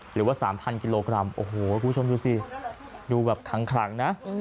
หรือว่า๓๐๐กิโลกรัมโอ้โหคุณผู้ชมดูสิดูแบบขลังนะ